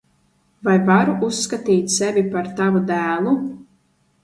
Vai varu uzskatīt sevi par tavu dēlu?